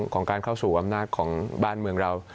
ของการเข้าสู่อำนาจของบ้านเมืองเรา